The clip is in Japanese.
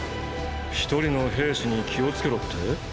一人の兵士に気をつけろって？